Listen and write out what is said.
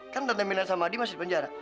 kan tante minas sama adi masih di penjara